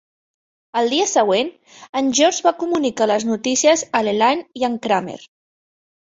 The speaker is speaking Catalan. Al dia següent, en George va comunicar les notícies a l'Elaine i en Kramer.